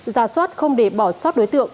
giả soát không để bỏ soát đối tượng